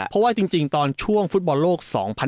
เพราะว่าจริงตอนช่วงฟุตบอลโลก๒๐๑๖